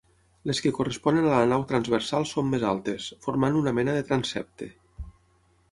Les que corresponen a la nau transversal són més altes, formant una mena de transsepte.